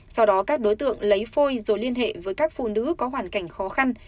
sau đó các đối tượng lấy phôi rồi liên hệ với các phụ nữ có hoàn cảnh khó khăn